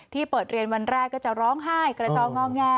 เปิดเรียนวันแรกก็จะร้องไห้กระจองงอแง